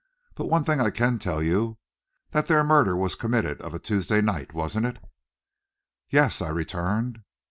But one thing I can tell you. That 'ere murder was committed of a Toosday night, wasn't it?" "Yes," I returned.